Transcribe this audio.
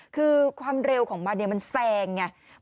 คือความเร็วของมันมันแซงไง